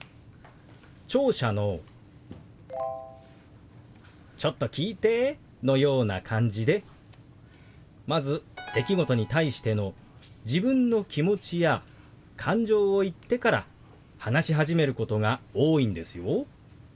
聴者の「ちょっと聞いて」のような感じでまず出来事に対しての自分の気持ちや感情を言ってから話し始めることが多いんですよ。